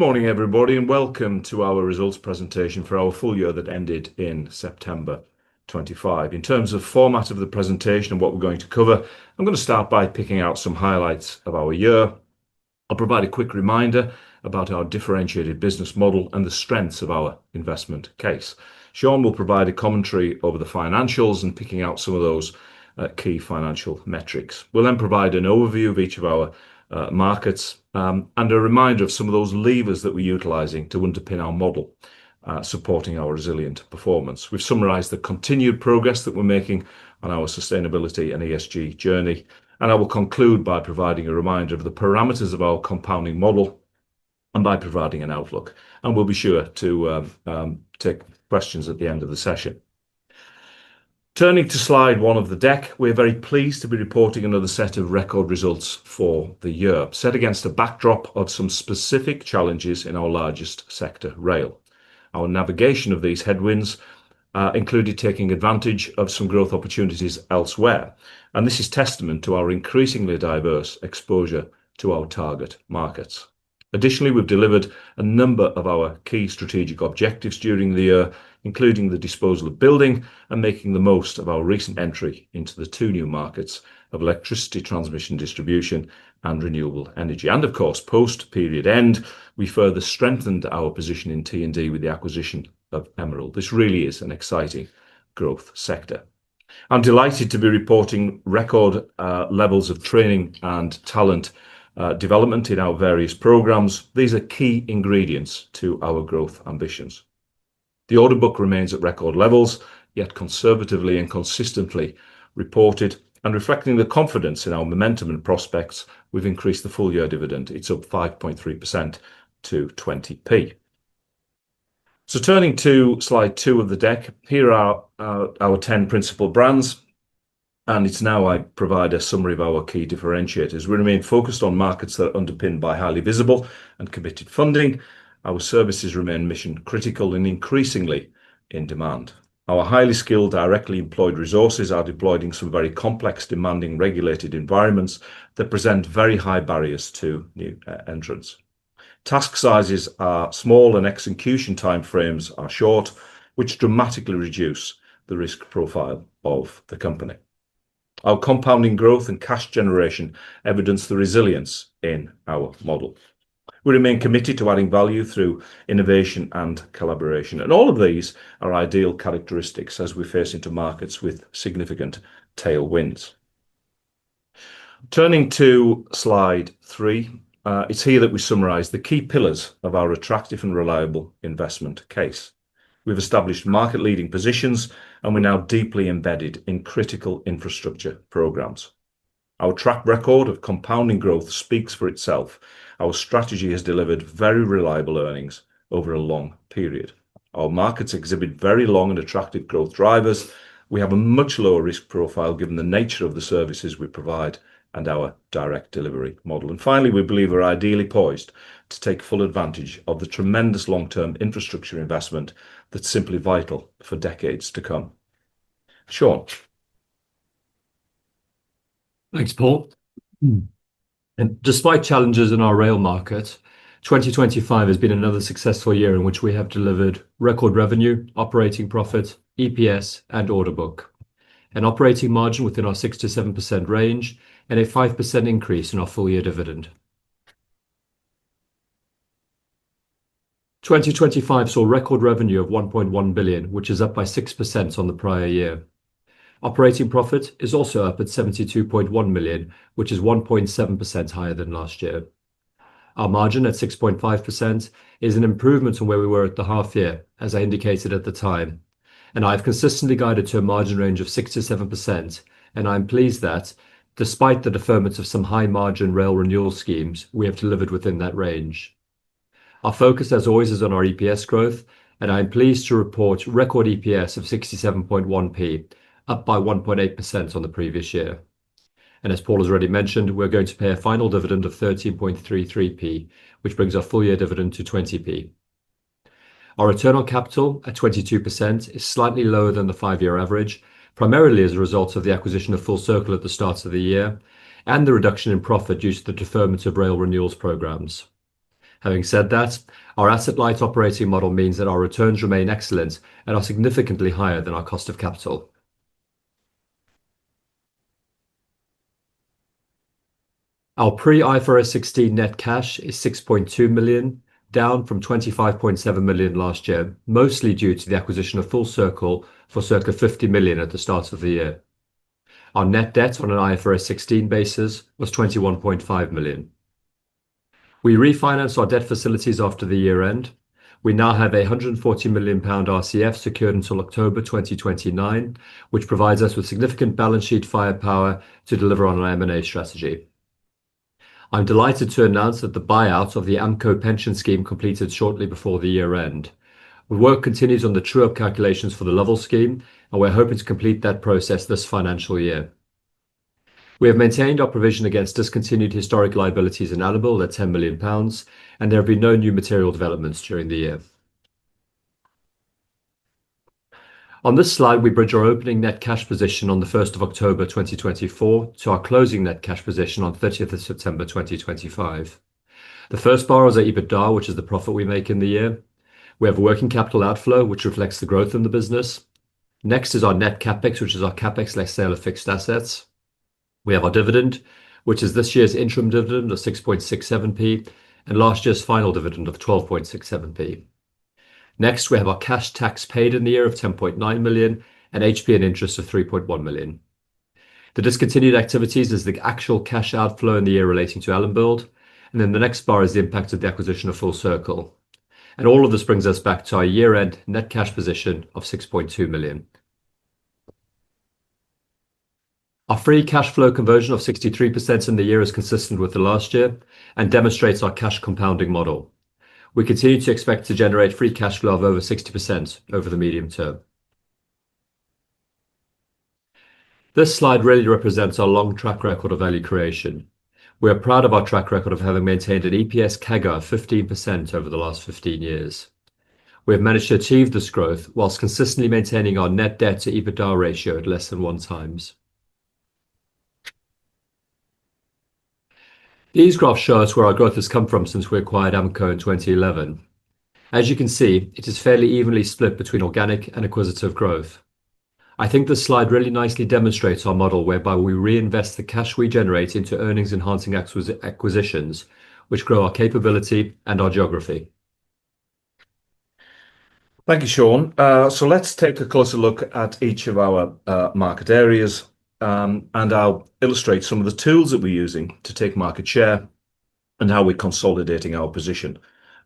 Good morning, everybody, and welcome to our results presentation for our full year that ended in September 2025. In terms of format of the presentation and what we're going to cover, I'm going to start by picking out some highlights of our year. I'll provide a quick reminder about our differentiated business model and the strengths of our investment case. Sean will provide a commentary over the financials and picking out some of those key financial metrics. We'll then provide an overview of each of our markets and a reminder of some of those levers that we're utilizing to underpin our model, supporting our resilient performance. We've summarized the continued progress that we're making on our sustainability and ESG journey, and I will conclude by providing a reminder of the parameters of our compounding model and by providing an outlook, and we'll be sure to take questions at the end of the session. Turning to slide one of the deck, we're very pleased to be reporting another set of record results for the year, set against a backdrop of some specific challenges in our largest sector, rail. Our navigation of these headwinds included taking advantage of some growth opportunities elsewhere, and this is testament to our increasingly diverse exposure to our target markets. Additionally, we've delivered a number of our key strategic objectives during the year, including the disposal of building and making the most of our recent entry into the two new markets of electricity transmission, distribution, and renewable energy. Of course, post-period end, we further strengthened our position in T&D with the acquisition of Emerald. This really is an exciting growth sector. I'm delighted to be reporting record levels of training and talent development in our various programs. These are key ingredients to our growth ambitions. The order book remains at record levels, yet conservatively and consistently reported and reflecting the confidence in our momentum and prospects, we've increased the full year dividend. It's up 5.3% to 20p. So turning to slide two of the deck, here are our ten principal brands, and it's now I provide a summary of our key differentiators. We remain focused on markets that are underpinned by highly visible and committed funding. Our services remain mission critical and increasingly in demand. Our highly skilled, directly employed resources are deployed in some very complex, demanding, regulated environments that present very high barriers to new entrance. Task sizes are small, and execution time frames are short, which dramatically reduce the risk profile of the company. Our compounding growth and cash generation evidence the resilience in our model. We remain committed to adding value through innovation and collaboration, and all of these are ideal characteristics as we face into markets with significant tailwinds. Turning to slide three, it's here that we summarize the key pillars of our attractive and reliable investment case. We've established market-leading positions, and we're now deeply embedded in critical infrastructure programs. Our track record of compounding growth speaks for itself. Our strategy has delivered very reliable earnings over a long period. Our markets exhibit very long and attractive growth drivers. We have a much lower risk profile, given the nature of the services we provide and our direct delivery model. And finally, we believe we're ideally poised to take full advantage of the tremendous long-term infrastructure investment that's simply vital for decades to come. Sean? Thanks, Paul. Despite challenges in our rail market, 2025 has been another successful year in which we have delivered record revenue, operating profit, EPS, and order book. An operating margin within our 6%-7% range and a 5% increase in our full-year dividend. 2025 saw record revenue of 1.1 billion, which is up by 6% on the prior year. Operating profit is also up at 72.1 million, which is 1.7% higher than last year. Our margin at 6.5% is an improvement on where we were at the half year, as I indicated at the time, and I've consistently guided to a margin range of 6%-7%, and I'm pleased that despite the deferment of some high-margin rail renewal schemes, we have delivered within that range. Our focus, as always, is on our EPS growth, and I am pleased to report record EPS of 67.1p, up by 1.8% on the previous year. As Paul has already mentioned, we're going to pay a final dividend of 13.33p, which brings our full-year dividend to 20p. Our return on capital at 22% is slightly lower than the five-year average, primarily as a result of the acquisition of Full Circle at the start of the year and the reduction in profit due to the deferment of rail renewals programs. Having said that, our asset-light operating model means that our returns remain excellent and are significantly higher than our cost of capital. Our pre-IFRS 16 net cash is 6.2 million, down from 25.7 million last year, mostly due to the acquisition of Full Circle for circa 50 million at the start of the year. Our net debt on an IFRS 16 basis was 21.5 million. We refinanced our debt facilities after the year-end. We now have 140 million pound RCF secured until October 2029, which provides us with significant balance sheet firepower to deliver on our M&A strategy. I'm delighted to announce that the buyout of the Amco Pension Scheme completed shortly before the year-end. Work continues on the true-up calculations for the Lovell Pension Scheme, and we're hoping to complete that process this financial year. We have maintained our provision against discontinued historic liabilities in Allenbuild at 10 million pounds, and there have been no new material developments during the year. On this slide, we bridge our opening net cash position on the 1st of October 2024 to our closing net cash position on the 30th of September 2025. The first bar is our EBITDA, which is the profit we make in the year. We have a working capital outflow, which reflects the growth in the business. Next is our net CapEx, which is our CapEx less sale of fixed assets. We have our dividend, which is this year's interim dividend of 6.67p and last year's final dividend of 12.67p. Next, we have our cash tax paid in the year of 10.9 million and HP and interest of 3.1 million. The discontinued activities is the actual cash outflow in the year relating to Allenbuild, and then the next bar is the impact of the acquisition of Full Circle. All of this brings us back to our year-end net cash position of 6.2 million. Our free cash flow conversion of 63% in the year is consistent with the last year and demonstrates our cash compounding model. We continue to expect to generate free cash flow of over 60% over the medium term. This slide really represents our long track record of value creation. We are proud of our track record of having maintained an EPS CAGR of 15% over the last 15 years. We have managed to achieve this growth while consistently maintaining our net debt to EBITDA ratio at less than 1x. These graphs show us where our growth has come from since we acquired Amco in 2011. As you can see, it is fairly evenly split between organic and acquisitive growth. I think this slide really nicely demonstrates our model, whereby we reinvest the cash we generate into earnings-enhancing acquisitions, which grow our capability and our geography. Thank you, Sean. So let's take a closer look at each of our market areas, and I'll illustrate some of the tools that we're using to take market share and how we're consolidating our position,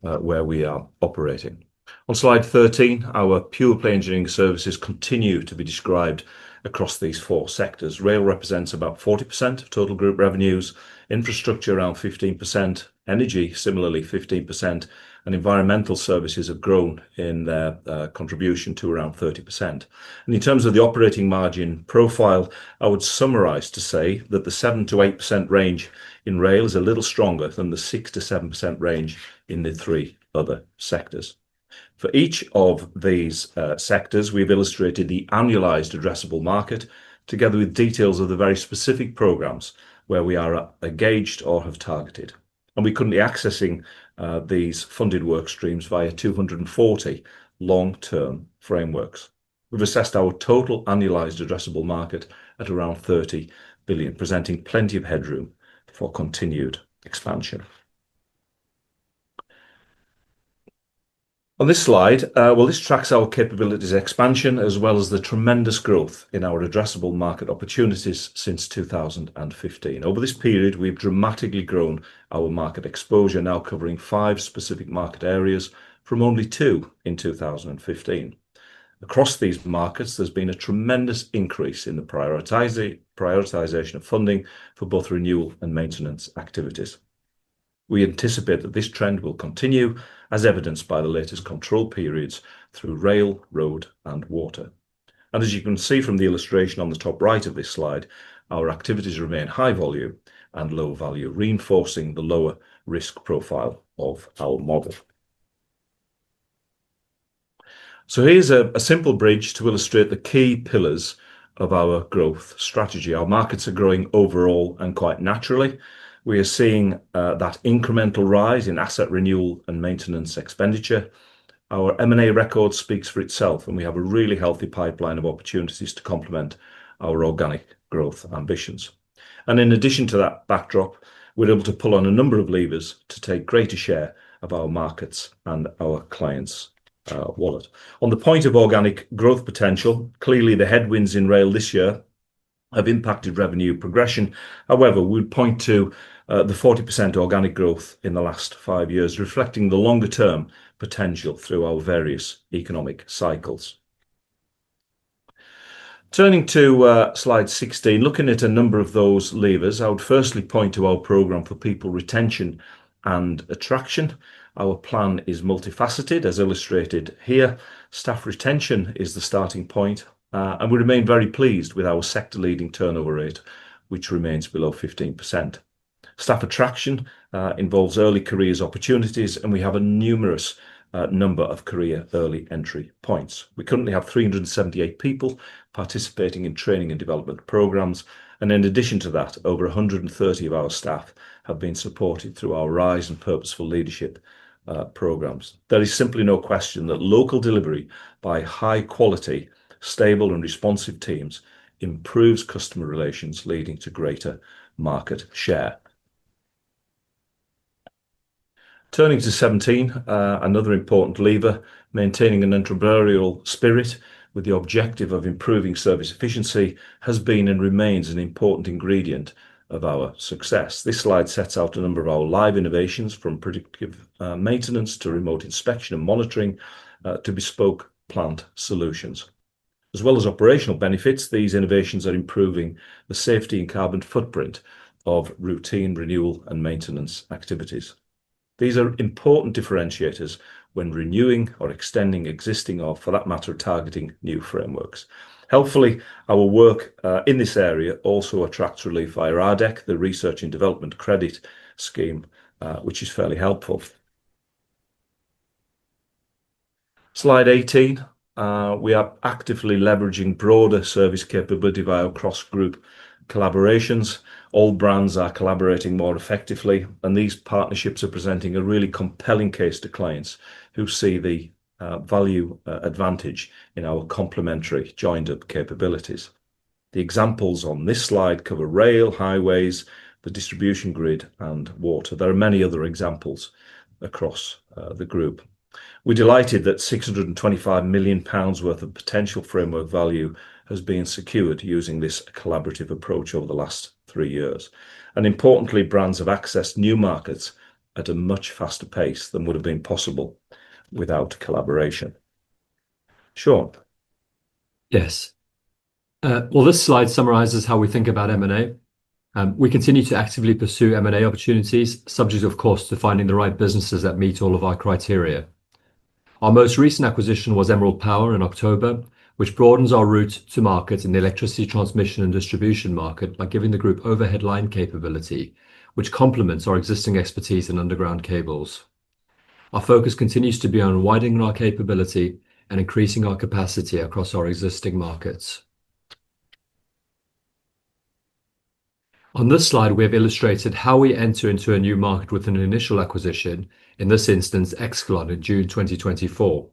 where we are operating. On slide 13, our pure-play engineering services continue to be described across these four sectors. Rail represents about 40% of total group revenues, infrastructure around 15%, energy similarly 15%, and environmental services have grown in their contribution to around 30%. In terms of the operating margin profile, I would summarize to say that the 7%-8% range in rail is a little stronger than the 6%-7% range in the three other sectors. For each of these, sectors, we've illustrated the annualized addressable market, together with details of the very specific programs where we are, engaged or have targeted, and we couldn't be accessing, these funded work streams via 240 long-term frameworks. We've assessed our total annualized addressable market at around 30 billion, presenting plenty of headroom for continued expansion. On this slide, well, this tracks our capabilities expansion, as well as the tremendous growth in our addressable market opportunities since 2015. Over this period, we've dramatically grown our market exposure, now covering 5 specific market areas from only 2 in 2015. Across these markets, there's been a tremendous increase in the prioritization of funding for both renewal and maintenance activities. We anticipate that this trend will continue, as evidenced by the latest control periods through rail, road, and water. As you can see from the illustration on the top right of this slide, our activities remain high volume and low value, reinforcing the lower risk profile of our model. Here's a simple bridge to illustrate the key pillars of our growth strategy. Our markets are growing overall and quite naturally. We are seeing that incremental rise in asset renewal and maintenance expenditure. Our M&A record speaks for itself, and we have a really healthy pipeline of opportunities to complement our organic growth ambitions. In addition to that backdrop, we're able to pull on a number of levers to take greater share of our markets and our clients' wallet. On the point of organic growth potential, clearly, the headwinds in rail this year have impacted revenue progression. However, we'd point to the 40% organic growth in the last five years, reflecting the longer-term potential through our various economic cycles. Turning to slide 16, looking at a number of those levers, I would firstly point to our program for people retention and attraction. Our plan is multifaceted, as illustrated here. Staff retention is the starting point, and we remain very pleased with our sector-leading turnover rate, which remains below 15%. Staff attraction involves early careers opportunities, and we have a numerous number of career early entry points. We currently have 378 people participating in training and development programs, and in addition to that, over 130 of our staff have been supported through our RISE and Purposeful Leadership programs. There is simply no question that local delivery by high quality, stable, and responsive teams improves customer relations, leading to greater market share. Turning to 17, another important lever, maintaining an entrepreneurial spirit with the objective of improving service efficiency, has been and remains an important ingredient of our success. This slide sets out a number of our live innovations, from predictive maintenance to remote inspection and monitoring to bespoke plant solutions. As well as operational benefits, these innovations are improving the safety and carbon footprint of routine renewal and maintenance activities. These are important differentiators when renewing or extending existing or, for that matter, targeting new frameworks. Helpfully, our work in this area also attracts relief via RDEC, the Research and Development Credit scheme, which is fairly helpful. Slide 18, we are actively leveraging broader service capability via our cross-group collaborations. All brands are collaborating more effectively, and these partnerships are presenting a really compelling case to clients who see the value advantage in our complementary joined-up capabilities. The examples on this slide cover rail, highways, the distribution grid, and water. There are many other examples across the group. We're delighted that 625 million pounds worth of potential framework value has been secured using this collaborative approach over the last three years. Importantly, brands have accessed new markets at a much faster pace than would have been possible without collaboration. Sean? Yes. Well, this slide summarizes how we think about M&A. We continue to actively pursue M&A opportunities, subject, of course, to finding the right businesses that meet all of our criteria. Our most recent acquisition was Emerald Power in October, which broadens our route to market in the electricity transmission and distribution market by giving the group overhead line capability, which complements our existing expertise in underground cables. Our focus continues to be on widening our capability and increasing our capacity across our existing markets. On this slide, we have illustrated how we enter into a new market with an initial acquisition, in this instance, Excalon in June 2024.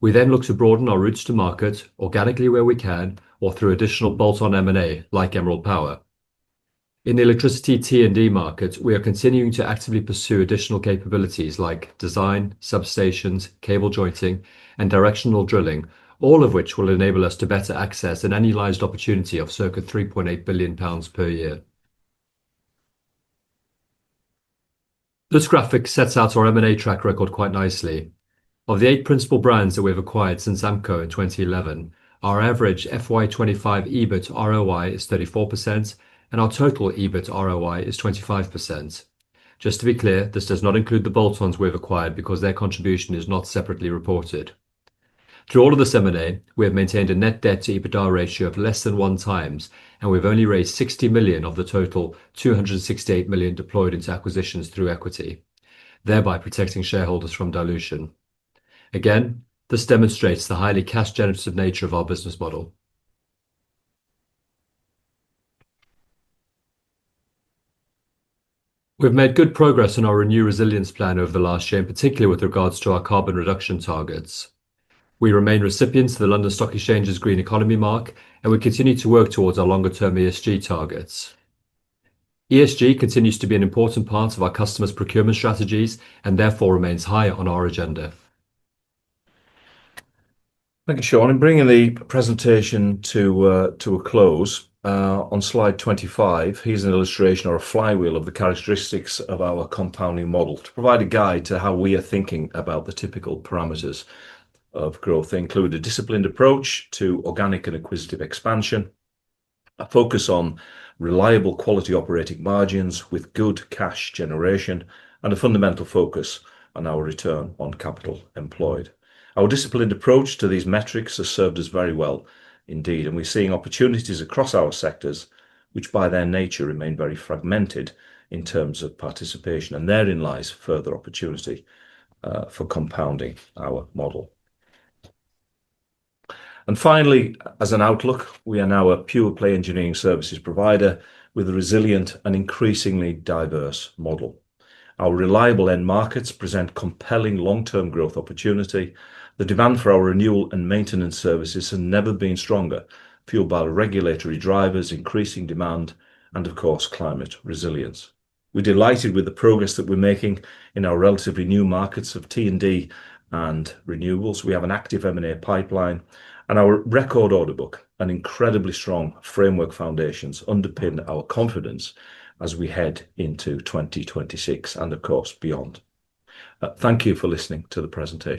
We then look to broaden our routes to market organically, where we can, or through additional bolt-on M&A, like Emerald Power. In the electricity T&D market, we are continuing to actively pursue additional capabilities like design, substations, cable jointing, and directional drilling, all of which will enable us to better access an annualized opportunity of circa 3.8 billion pounds per year. This graphic sets out our M&A track record quite nicely. Of the 8 principal brands that we've acquired since Amco in 2011, our average FY 2025 EBIT ROI is 34%, and our total EBIT ROI is 25%. Just to be clear, this does not include the bolt-ons we've acquired because their contribution is not separately reported. Through all of this M&A, we have maintained a net debt to EBITDA ratio of less than 1x, and we've only raised 60 million of the total 268 million deployed into acquisitions through equity, thereby protecting shareholders from dilution. Again, this demonstrates the highly cash-generative nature of our business model. We've made good progress on our Renew Resilience Plan over the last year, and particularly with regards to our carbon reduction targets. We remain recipients of the London Stock Exchange's Green Economy Mark, and we continue to work toward our longer-term ESG targets. ESG continues to be an important part of our customers' procurement strategies and therefore remains high on our agenda. Thank you, Sean. In bringing the presentation to a close, on slide 25, here's an illustration or a flywheel of the characteristics of our compounding model. To provide a guide to how we are thinking about the typical parameters of growth, include a disciplined approach to organic and acquisitive expansion, a focus on reliable quality operating margins with good cash generation, and a fundamental focus on our return on capital employed. Our disciplined approach to these metrics has served us very well indeed, and we're seeing opportunities across our sectors, which by their nature, remain very fragmented in terms of participation, and therein lies further opportunity for compounding our model. And finally, as an outlook, we are now a pure-play engineering services provider with a resilient and increasingly diverse model. Our reliable end markets present compelling long-term growth opportunity. The demand for our renewal and maintenance services has never been stronger, fueled by regulatory drivers, increasing demand, and of course, climate resilience. We're delighted with the progress that we're making in our relatively new markets of T&D and renewables. We have an active M&A pipeline and our record order book and incredibly strong framework foundations underpin our confidence as we head into 2026, and of course, beyond. Thank you for listening to the presentation.